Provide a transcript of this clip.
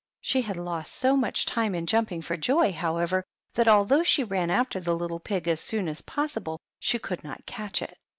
She had lost so much time in jumping for joy, however, that although she ran after the little pig as soon as possible, she could not catch it.